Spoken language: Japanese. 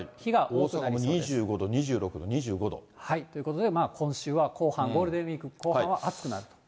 大阪は２５度、２６度、２５度。ということで、今週は、ゴールデンウィーク後半は暑くなります。